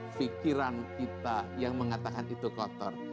pikiran kita yang mengatakan itu kotor